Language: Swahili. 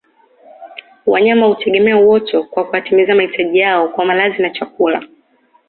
Wanyama hutegemea uoto kwa kuwatimizia mahitaji yao kwa malazi na chakula